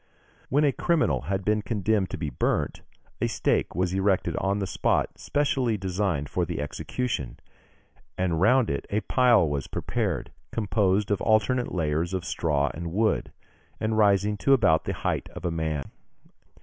When a criminal had been condemned to be burnt, a stake was erected on the spot specially designed for the execution, and round it a pile was prepared, composed of alternate layers of straw and wood, and rising to about the height of a man.